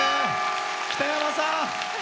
北山さん。